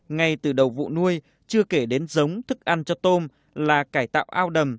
ngay từ đầu vụ nuôi chưa kể đến giống thức ăn cho tôm là cải tạo ao đầm